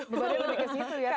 bebannya lebih ke situ ya